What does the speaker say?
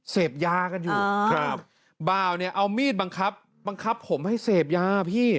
เสพยากันอยู่ครับบ่าวเนี่ยเอามีดบังคับบังคับผมให้เสพยาพี่